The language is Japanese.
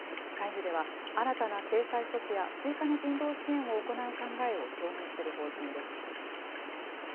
会議では、新たな制裁措置や、追加の人道支援を行う考えを表明する方針です。